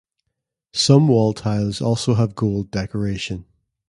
Some wall tiles also have gold decoration.